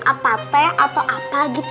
apapet atau apa gitu